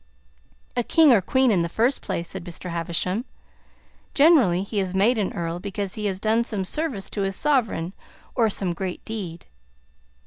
"A king or queen, in the first place," said Mr. Havisham. "Generally, he is made an earl because he has done some service to his sovereign, or some great deed."